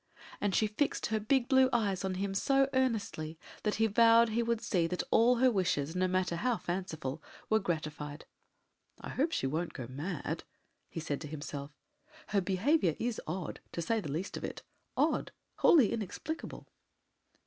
and she fixed her big blue eyes on him so earnestly, that he vowed he would see that all her wishes, no matter how fanciful, were gratified. "I hope she won't go mad!" he said to himself; "her behaviour is odd, to say the least of it. Odd! wholly inexplicable."